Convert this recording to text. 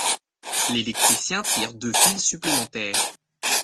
l'électricien tire deux fils supplémentaire